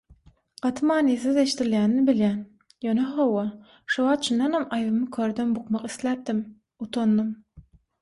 Gaty manysyz eşdilýänini bilýän, ýöne hawa, şowagt çyndanam aýbymy körden bukmak isläpdim, utandym.